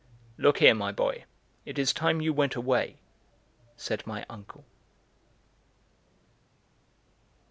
"Look here, my boy, it is time you went away," said my uncle.